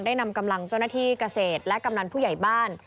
นำกำลังเจ้าหน้าที่เกษตรและกำนันผู้ใหญ่บ้าน